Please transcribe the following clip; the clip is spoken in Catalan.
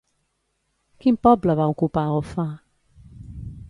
Quin poble va ocupar Offa?